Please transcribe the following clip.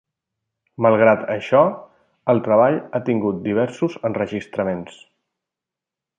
Malgrat això, el treball ha tingut diversos enregistraments.